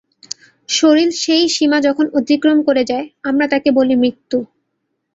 শরীর সেই সীমা যখন অতিক্রম করে যায়, আমরা তাকে বলি মৃত্যু।